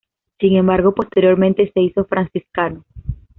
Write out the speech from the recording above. Sin embargo, posteriormente se hizo franciscano.